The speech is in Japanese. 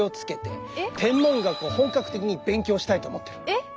えっ？